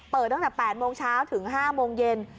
ตั้งแต่๘โมงเช้าถึง๕โมงเย็น